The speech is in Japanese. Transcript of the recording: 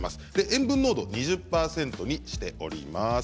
塩分濃度は２０％にしてあります。